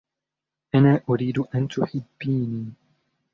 أنا أريد أن تُحبيني.